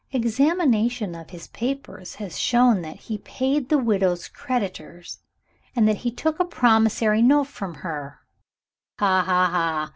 Examination of his papers has shown that he paid the widow's creditors, and that he took a promissory note from her ha! ha!